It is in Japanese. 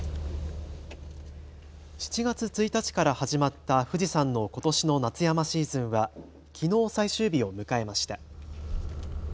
７月１日から始まった富士山のことしの夏山シーズンはきのう最終日を迎えました。